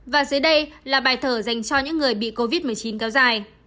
và dưới đây là bài thở dành cho những người bị covid một mươi chín kéo dài